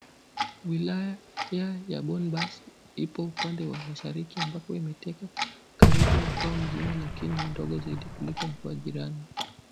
Wilaya ya Donbass ipo upande wa mashariki, ambako imeteka karibu mkoa mzima lakini ni ndogo zaidi kuliko mkoa jirani.